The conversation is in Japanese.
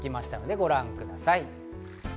ご覧ください。